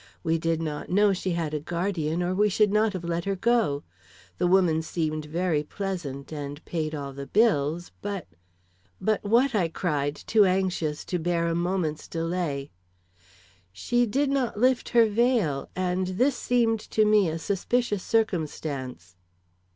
We did not know she had a guardian or we should not have let her go. The woman seemed very pleasant, and paid all the bills, but " "But what?" I cried, too anxious to bear a moment's delay. "She did not lift her veil, and this seemed to me a suspicious circumstance."